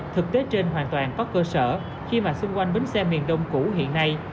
thực tế trên hoàn toàn có cơ sở khi mà xung quanh bến xe miền đông cũ hiện nay